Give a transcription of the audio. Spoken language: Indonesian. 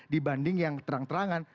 dibanding yang terang terangan